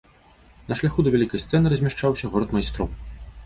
На шляху да вялікай сцэны размяшчаўся горад майстроў.